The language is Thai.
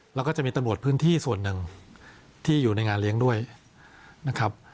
แล้วก็จะมีตำรวจพื้นที่ส่วนหนึ่งที่อยู่ในงานเลี้ยงด้วยนะครับ